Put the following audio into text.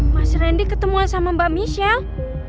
mas randy ketemuan sama mbak michelle